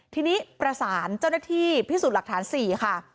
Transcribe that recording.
ทีนี้ประสานเจ้าหน้าที่พิสูจน์หลักฐาน๔ค่ะ